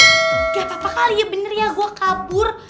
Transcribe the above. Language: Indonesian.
nggak apa apa kali ya bener ya gue kabur